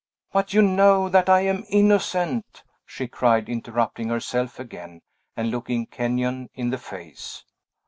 "But you know that I am innocent!" she cried, interrupting herself again, and looking Kenyon in the face.